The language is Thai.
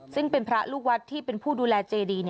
ซึ่งเป็นพระลูกวัดที่เป็นผู้ดูแลเจดี